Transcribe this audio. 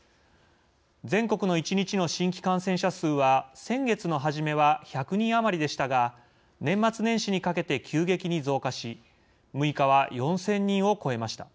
全国の一日の新規感染者数は先月の初めは１００人余りでしたが年末年始にかけて急激に増加し６日は４，０００人を超えました。